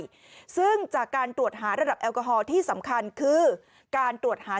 ด้วยซึ่งจากการตรวจหาระดับแอลกอฮอลที่สำคัญคือการตรวจหา